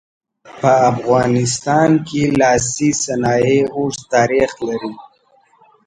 په افغانستان کې لاسي صنایع اوږد تاریخ لري.